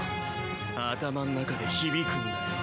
頭ん中で響くんだよ。